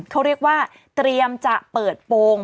เขาเรียกว่าเตรียมจะเปิดโปรง